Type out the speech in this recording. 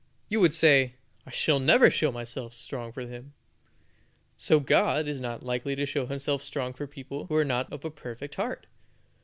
You would say, "I shall never show myself strong for him." So God is not likely to show Himself strong for people who are not of a perfect heart.